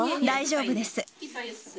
大丈夫です。